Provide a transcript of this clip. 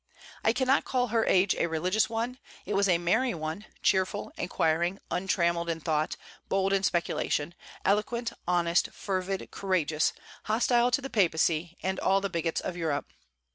I cannot call her age a religious one: it was a merry one, cheerful, inquiring, untrammelled in thought, bold in speculation, eloquent, honest, fervid, courageous, hostile to the Papacy and all the bigots of Europe.